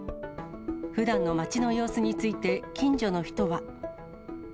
ふだんの町の様子について、近所の人は。